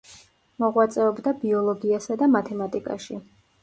მოღვაწეობდა ბიოლოგიასა და მათემატიკაში.